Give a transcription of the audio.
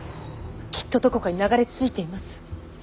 きっとどこかに流れ着いています。